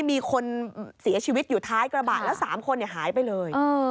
มีคนเสียชีวิตอยู่ท้ายกระบะแล้ว๓คนหายไปเลย